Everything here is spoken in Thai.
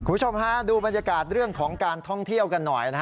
คุณผู้ชมฮะดูบรรยากาศเรื่องของการท่องเที่ยวกันหน่อยนะฮะ